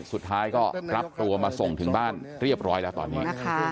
สุดท้ายก็รับตัวมาส่งถึงบ้านเรียบร้อยแล้วตอนนี้